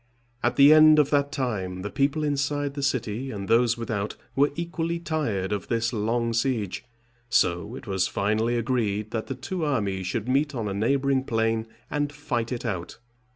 At the end of that time the people inside the city, and those without, were equally tired of this long siege: so it was finally agreed that the two armies should meet on a neighboring plain and fight it out.